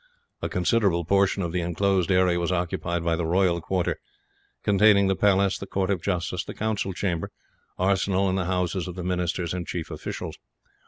A considerable portion of the inclosed area was occupied by the royal quarter; containing the palace, the court of justice, the council chamber, arsenal, and the houses of the ministers and chief officials.